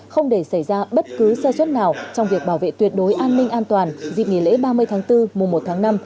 không để xảy ra bất cứ sơ suất nào trong việc bảo vệ tuyệt đối an ninh an toàn dịp nghỉ lễ ba mươi tháng bốn mùa một tháng năm